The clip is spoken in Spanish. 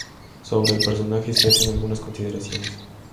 Sobre el personaje se hacen algunas consideraciones.